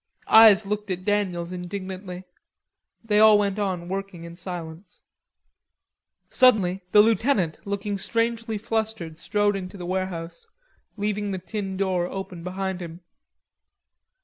Eyes looked at Daniels indignantly. They all went on working in silence. Suddenly the lieutenant, looking strangely flustered, strode into the warehouse, leaving the tin door open behind him.